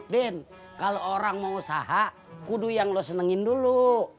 den kalau orang mau usaha kudu yang lo senengin dulu